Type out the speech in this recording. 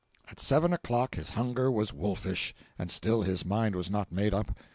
At seven o'clock his hunger was wolfish; and still his mind was not made up.